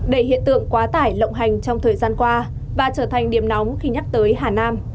để hiện tượng quá tải lộng hành trong thời gian qua và trở thành điểm nóng khi nhắc tới hà nam